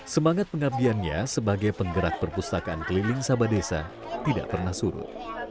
semangat pengabdiannya sebagai penggerak perpustakaan keliling sabadesa tidak pernah suruh